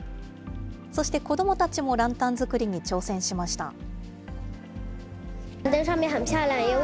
そして子どもたちもランタン作りに挑戦しました。